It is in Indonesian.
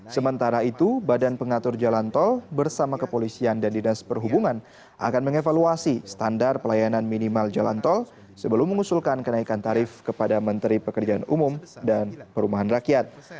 sementara itu badan pengatur jalan tol bersama kepolisian dan dinas perhubungan akan mengevaluasi standar pelayanan minimal jalan tol sebelum mengusulkan kenaikan tarif kepada menteri pekerjaan umum dan perumahan rakyat